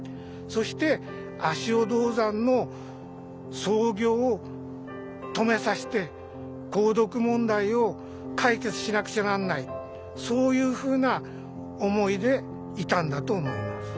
そして足尾銅山の操業を止めさせて鉱毒問題を解決しなくちゃなんないそういうふうな思いでいたんだと思います。